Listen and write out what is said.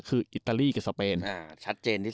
คืออิตาลีกับสเปน